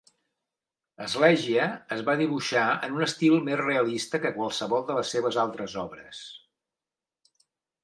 Sleggja es va dibuixar en un estil més realista que qualsevol de les seves altres obres.